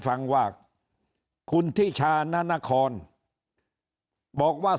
ฟังว่าคุณทิชานานครบอกว่า